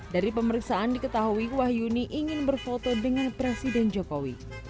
dari pemeriksaan diketahui wahyuni ingin berfoto dengan presiden jokowi